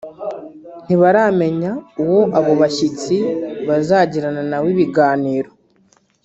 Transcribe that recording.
ntibaramenya uwo abo bashyitsi bazagirana na we ibiganiro